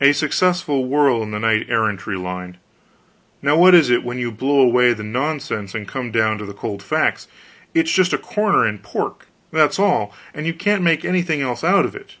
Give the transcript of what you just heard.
A successful whirl in the knight errantry line now what is it when you blow away the nonsense and come down to the cold facts? It's just a corner in pork, that's all, and you can't make anything else out of it.